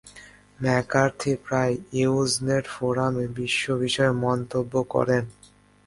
McCarthy প্রায়ই Usenet ফোরামে বিশ্ব বিষয়ে মন্তব্য করতেন।